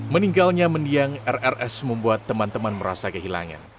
meninggalnya mendiang rrs membuat teman teman merasa kehilangan